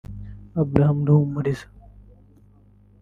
Abraham Ruhumuriza